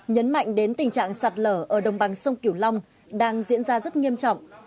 nhấn mạnh đến tình trạng sạt lở ở đồng bằng sông kiểu long đang diễn ra rất nghiêm trọng